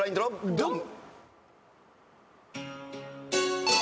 ドン！